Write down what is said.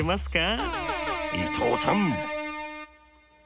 伊藤さん！